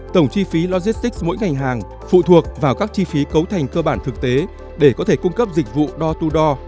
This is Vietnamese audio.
tổng chi phí logistics mỗi ngành hàng phụ thuộc vào các chi phí cấu thành cơ bản thực tế để có thể cung cấp dịch vụ đo tu đo